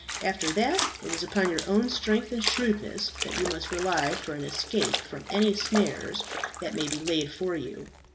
After that, it is upon your own strength and shrewdness that you must rely for an escape from any snares that may be laid for you.